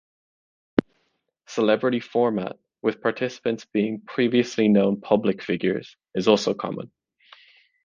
Celebrity format, with participants being previously known public figures, is also common.